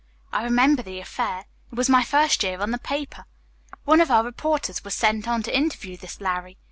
I remember the affair. It was my first year on the paper. One of our reporters was sent on to interview this Larry.